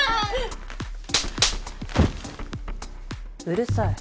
うるさい。